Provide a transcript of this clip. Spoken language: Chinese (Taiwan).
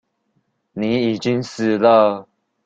你已經死了